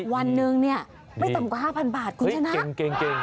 วันนึงเนี่ยไม่ต่างกว่า๕พันบาทคุณชนะ